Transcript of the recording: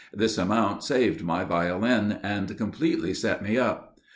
This amount saved my Violin, and completely set me up.